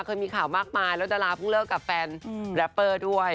เคยมีข่าวมากมายแล้วดาราเพิ่งเลิกกับแฟนแรปเปอร์ด้วย